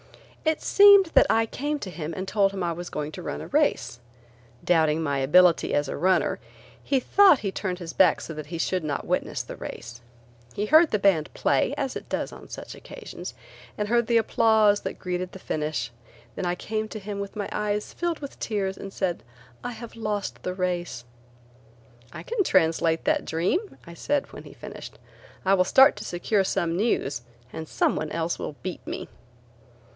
It seemed that I came to him and told him I was going to run a race. Doubting my ability as a runner, he thought he turned his back so that he should not witness the race. He heard the band play, as it does on such occasions, and heard the applause that greeted the finish. Then I came to him with my eyes filled with tears and said: "I have lost the race." "I can translate that dream," I said, when he finished; "I will start to secure some news and some one else will beat me."